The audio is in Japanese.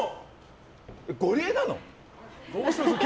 ゴリエなの？